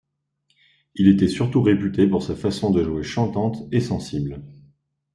Il était surtout réputé pour sa façon de jouer chantante et sensible.